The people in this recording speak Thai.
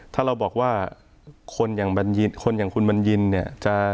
ถ้าเราบอกว่าคนอย่างคนอย่างคุณบัญญินเนี่ย